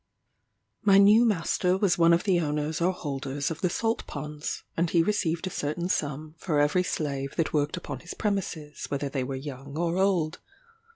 My new master was one of the owners or holders of the salt ponds, and he received a certain sum for every slave that worked upon his premises, whether they were young or old.